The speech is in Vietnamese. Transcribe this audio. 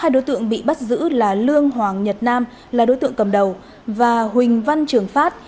hai đối tượng bị bắt giữ là lương hoàng nhật nam là đối tượng cầm đầu và huỳnh văn trường phát